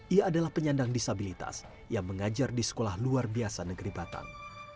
ia adalah penyandang disabilitas yang mengajar di sekolah luar biasa negeri batam